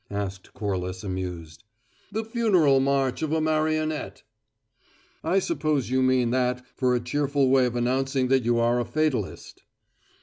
asked Corliss, amused. "`The Funeral March of a Marionette!'" "I suppose you mean that for a cheerful way of announcing that you are a fatalist."